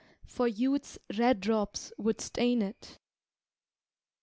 For youth's red drops would stain it.